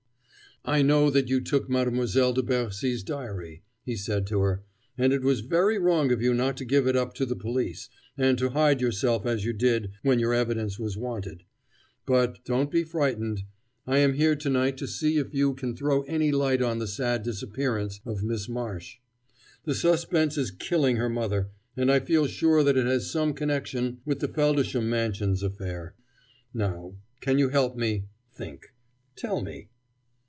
"I know that you took Mademoiselle de Bercy's diary," he said to her, "and it was very wrong of you not to give it up to the police, and to hide yourself as you did when your evidence was wanted. But, don't be frightened I am here to night to see if you can throw any light on the sad disappearance of Miss Marsh. The suspense is killing her mother, and I feel sure that it has some connection with the Feldisham Mansions affair. Now, can you help me? Think tell me."